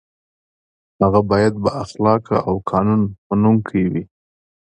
هغه باید با اخلاقه او قانون منونکی وي.